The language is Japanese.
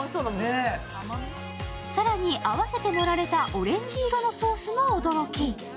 更に併せて盛られたオレンジ色のソースも驚き。